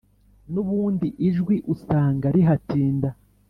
n’ubundi ijwi usanga rihatinda.